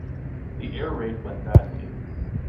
The air raid went badly.